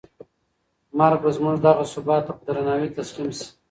مرګ به زموږ دغه ثبات ته په درناوي تسلیم شي.